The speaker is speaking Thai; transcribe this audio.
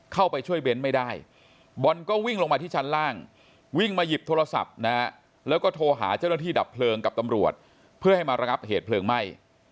เข้าไปช่วยเบ้นไม่ได้บอลก็วิ่งลงมาที่ชั้นล่างวิ่งมาหยิบโทรศัพท์นะฮะแล้วก็โทรหาเจ้าหน้าที่ดับเพลิงกับตำรวจเพื่อให้มาระงับเหตุเพลิงไหม้